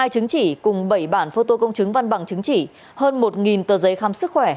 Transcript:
hai chứng chỉ cùng bảy bản phô tô công chứng văn bằng chứng chỉ hơn một tờ giấy khám sức khỏe